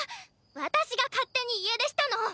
私が勝手に家出したの！